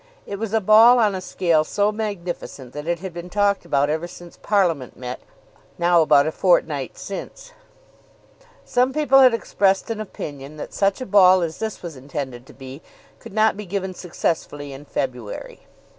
It was a ball on a scale so magnificent that it had been talked about ever since Parliament met, now about a fortnight since. Some people had expressed an opinion that such a ball as this was intended to be could not be given successfully in February.